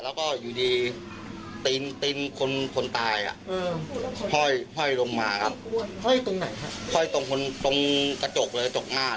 ข้ากระจกหน้าขนขับเลย